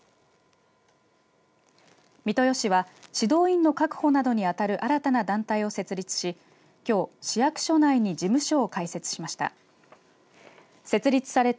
三豊市は指導員の確保などに当たる新たな団体を設立しきょう市役所内に事務所を開設しました。